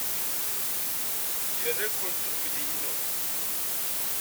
Ira-kent uydi-inu.